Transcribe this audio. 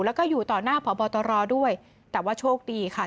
แล้วก็อยู่ต่อหน้าพบตรด้วยแต่ว่าโชคดีค่ะ